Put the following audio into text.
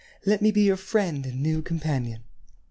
Let me be your friend and new companion."